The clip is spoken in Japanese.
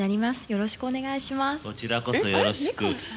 よろしくお願いします。